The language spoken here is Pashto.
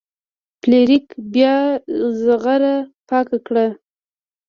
فلیریک بیا زغره پاکه کړه.